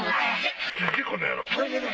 この野郎。